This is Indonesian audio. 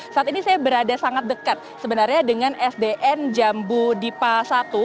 saat ini saya berada sangat dekat sebenarnya dengan sdn jambu dipa satu